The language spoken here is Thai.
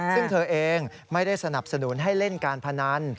ซึ่งเธอเองไม่ได้สนับสนุนให้เล่นการพนัน